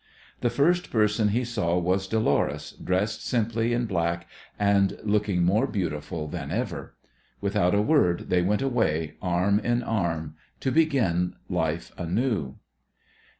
The first person he saw was Dolores, dressed simply in black and looking more beautiful than ever. Without a word they went away arm in arm to begin life anew.